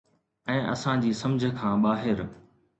۽ اسان جي سمجھ کان ٻاهر